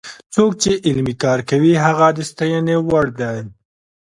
څوک چې علمي کار کوي هغه د ستاینې وړ دی.